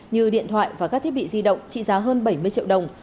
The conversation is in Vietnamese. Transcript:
như điện thoại và các thiết bị di động trị giá hơn bảy mươi triệu đồng